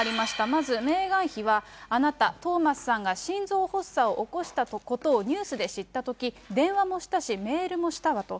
まずメーガン妃は、あなた、トーマスさんが心臓発作を起こしたことをニュースで知ったとき、電話もしたし、メールもしたわと。